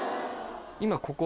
今ここ。